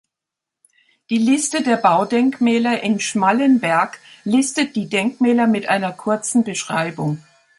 Die Liste der Baudenkmäler in Schmallenberg listet die Denkmäler mit einer kurzen Beschreibung.